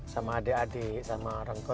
sama adik adik sama orang tua